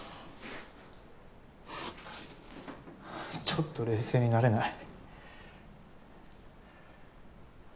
ちょっと冷静になれない。